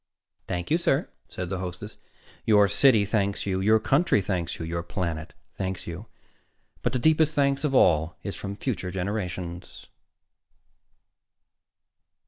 "Thank you, sir," said the hostess. "Your city thanks you; your country thanks you; your planet thanks you. But the deepest thanks of all is from future generations."